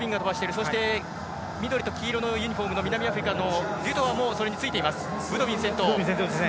そして緑と黄色のユニフォームの南アフリカのデュトワもついていっている。